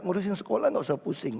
menguruskan sekolah tidak usah pusing